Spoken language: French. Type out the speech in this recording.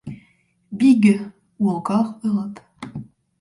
Big, ou encore Europe.